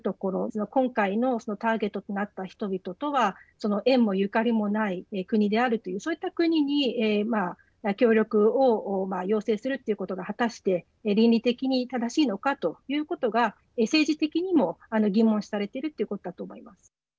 その今回のターゲットとなった人々とは縁もゆかりもない国であるというそういった国に協力を要請するということが果たして倫理的に正しいのかということが政治的にも疑問視されているということだと思います。